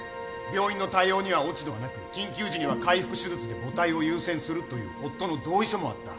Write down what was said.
病院の対応には落ち度はなく緊急時には開腹手術で母体を優先するという夫の同意書もあった。